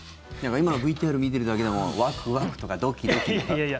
今のＶＴＲ見てるだけでもワクワクとかドキドキとか。